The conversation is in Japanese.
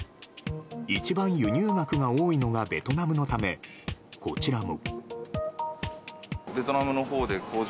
一番、輸入額が多いのがベトナムのため、こちらも。